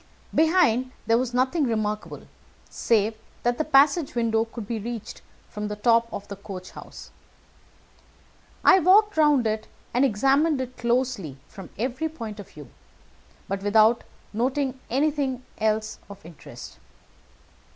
Behind there was nothing remarkable, save that the passage window could be reached from the top of the coach house. I walked round it and examined it closely from every point of view, but without noting anything else of interest.